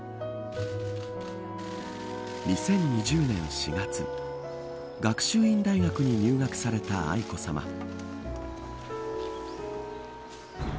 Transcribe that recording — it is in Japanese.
２０２０年４月学習院大学に入学された愛子さま。